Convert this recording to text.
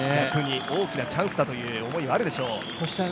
大きなチャンスという思いがあるでしょうね。